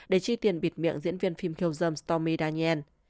để chi tiền bịt miệng diễn viên phim khiêu dâm stormy daniel